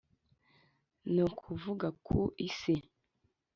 Ni ukuvuga ku isi